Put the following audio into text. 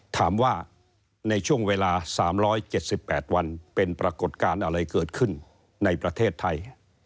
ถามว่าในช่วงเวลา๓๗๘วันเป็นปรากฏการณ์อะไรเกิดขึ้นในประเทศไทย